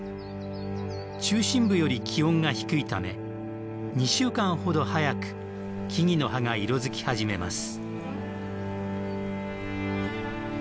中心部より気温が低いため２週間ほど早く木々の葉が色づき始めます。